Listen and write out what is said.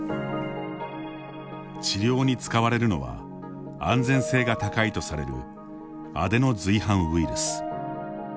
治療に使われるのは安全性が高いとされるアデノ随伴ウイルス。